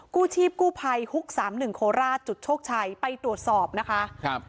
กู้ชีพกู้ภัยฮุกสามหนึ่งโคราชจุดโชคชัยไปตรวจสอบนะคะครับ